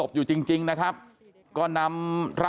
พ่อขออนุญาต